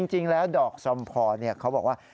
จริงแล้วดอกซอมพอเขาบอกว่า